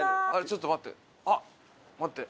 ちょっと待って。